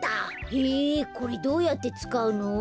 へえこれどうやってつかうの？